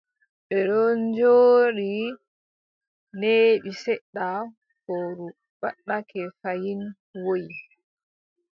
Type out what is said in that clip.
Ɓe ɗon njooɗi, neeɓi seɗɗa, fowru ɓadake fayin, woyi.